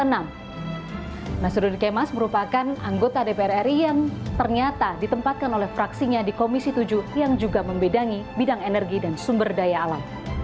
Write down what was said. nazaruddin kemas merupakan anggota dpr ri yang ternyata ditempatkan oleh fraksinya di komisi tujuh yang juga membedangi bidang energi dan sumber daya alam